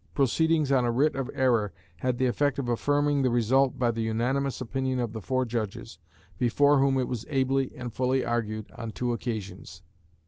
Proceedings on a writ of error had the effect of affirming the result by the unanimous opinion of the four judges, before whom it was ably and fully argued on two occasions.